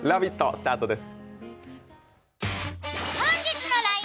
スタートです。